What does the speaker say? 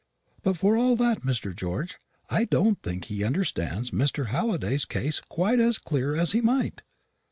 But for all that, Mr. George, I don't think he understands Mr. Halliday's case quite as clear as he might."